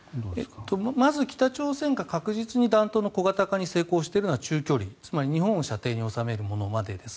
まず北朝鮮が確実に弾頭の小型化に成功しているのは中距離つまり日本を射程に収めるものまでです。